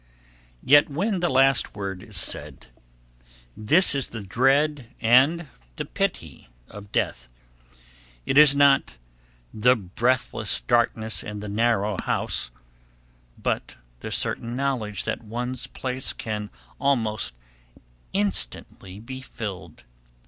Yet, when the last word is said, this is the dread and the pity of death. It is not "the breathless darkness and the narrow house," but the certain knowledge that one's place can almost instantly be filled.